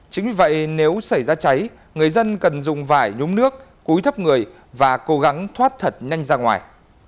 chính vì vậy nếu xảy ra cháy người dân cần dùng vải nhúng nước cúi thấp người và cố gắng thoát thật nhanh ra ngoài